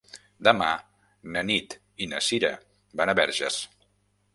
Demà na Nit i na Cira van a Verges.